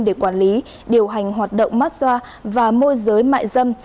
để quản lý điều hành hoạt động mát xoa và môi giới mại dâm